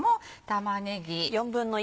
玉ねぎ。